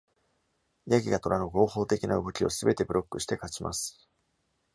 山羊が虎の合法的な動きを全てブロックして勝ちます。